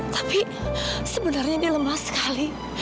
tapi sebenarnya dilemah sekali